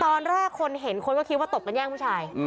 ตอนแรกคนเห็นความที่นี้คือว่าตบการแยกผู้ชาย